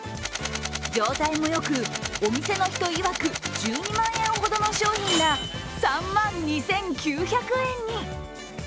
状態もよく、お店の人いわく１２万円ほどの商品が３万２９００円に。